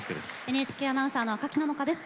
ＮＨＫアナウンサーの赤木野々花です。